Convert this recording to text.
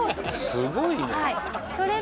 すごいね。